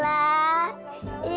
nah aneh kan